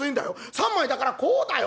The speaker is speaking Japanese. ３枚だからこうだよ。